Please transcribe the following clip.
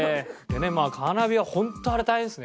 まあカーナビはホントあれ大変ですね